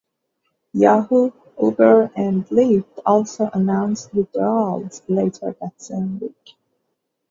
Yahoo!, Uber, and Lyft also announced withdrawals later that same week.